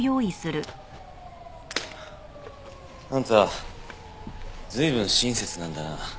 あんた随分親切なんだな。